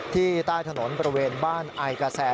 ที่ใต้ถนนบริเวณบ้านไอ้กาแทร